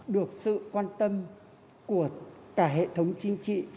được sự quan tâm của cả hệ thống chính trị